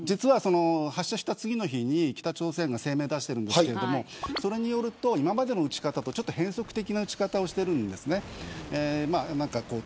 発射した次の日に北朝鮮が声明を出してますがそれによると今までの打ち方と違った変則的な打ち方をしています。